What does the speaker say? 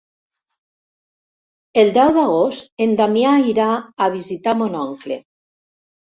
El deu d'agost en Damià irà a visitar mon oncle.